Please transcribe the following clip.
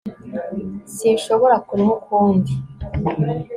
sinshobora kunywa ukundi